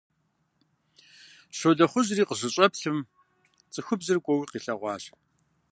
Щолэхъужьри къыщыщӀэплъым, цӀыхубзыр кӀуэуэ къилъэгъуащ.